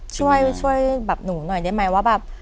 ช่วยช่วยแบบหนูหน่อยได้ไหมว่าแบบ